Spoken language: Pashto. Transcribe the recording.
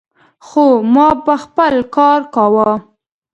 خو ما به خپل کار کاوه.